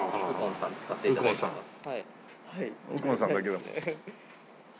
右近さんだけでも。